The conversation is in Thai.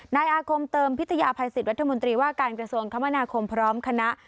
นายอาคมเติมพิทยาภัยสิทธิรัฐมนตรีว่าการกระทรวงคมนาคมพร้อมคณะ